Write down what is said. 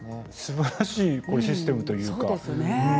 すばらしいシステムというか。